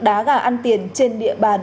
đá gà ăn tiền trên địa bàn